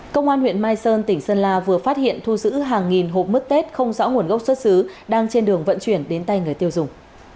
công an huyện mai sơn tỉnh sơn la vừa phát hiện thu giữ hàng nghìn hộp mứt tết không rõ nguồn gốc xuất xứ đang trên đường vận chuyển đến tay người tiêu dùng